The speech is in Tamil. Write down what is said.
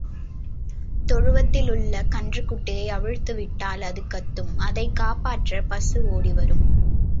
தொழுவத்தில் உள்ள கன்றுக்குட்டியை அவிழ்த்து விட்டால் அது கத்தும் அதைக் காப்பாற்றப் பசு ஒடி வரும்.